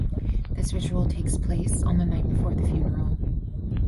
This ritual takes place on the night before the funeral.